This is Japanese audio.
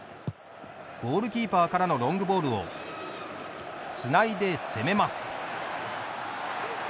ゴールキーパーからのロングボールをつないで攻めます。